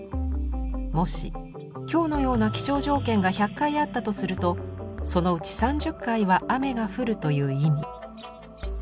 もし今日のような気象条件が１００回あったとするとそのうち３０回は雨が降るという意味。